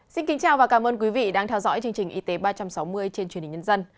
xin kính chào và cảm ơn quý vị đang theo dõi chương trình y tế ba trăm sáu mươi trên truyền hình nhân dân